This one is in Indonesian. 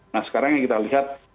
nah sekarang yang kita lihat